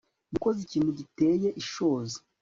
Yakoze ikintu giteye ishozi